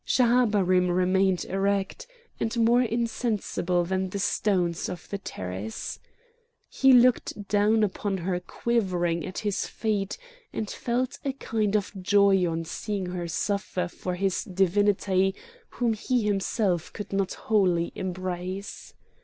Schahabarim remained erect, and more insensible than the stones of the terrace. He looked down upon her quivering at his feet, and felt a kind of joy on seeing her suffer for his divinity whom he himself could not wholly embrace.